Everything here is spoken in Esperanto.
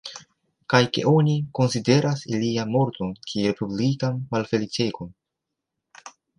Kaj ke oni konsideras ilian morton kiel publikan malfeliĉegon.